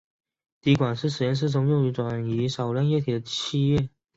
滴管是实验室中用于转移少量液体的器皿。